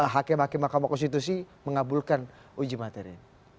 hakim hakim mahkamah konstitusi mengabulkan uji materi ini